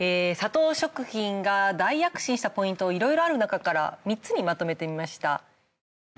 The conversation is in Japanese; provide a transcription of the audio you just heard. サトウ食品が大躍進したポイントをいろいろあるなかから３つにまとめてみました。